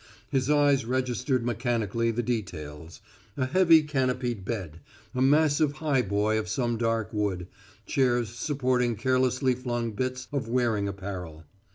His eyes registered mechanically the details a heavy canopied bed, a massive highboy of some dark wood, chairs supporting carelessly flung bits of wearing apparel.